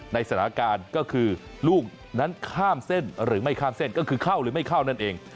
ในสถานการณ์ก็คือลูกนั้นข้ามเส้นหรือไม่ข้ามเส้นก็คือเข้าหรือไม่เข้านั่นเอง